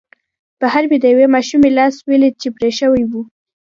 بهر مې د یوې ماشومې لاس ولید چې پرې شوی و